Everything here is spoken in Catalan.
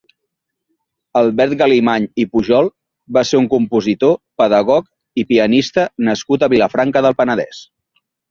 Albert Galimany i Pujol va ser un compositor, pedagog i pianista nascut a Vilafranca del Penedès.